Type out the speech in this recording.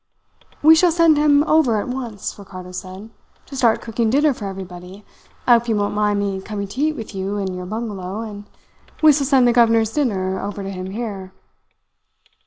"'We shall send him over at once,' Ricardo said, 'to start cooking dinner for everybody. I hope you won't mind me coming to eat it with you in your bungalow; and we will send the governor's dinner over to him here.'